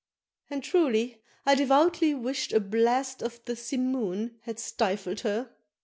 And truly I devoutly wish'd a blast of the simoom Had stifled her!